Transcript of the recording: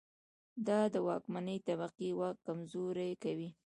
دا د واکمنې طبقې واک کمزوری کوي.